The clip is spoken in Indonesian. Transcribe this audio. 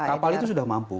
kapal itu sudah mampu